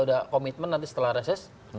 sudah komitmen nanti setelah reses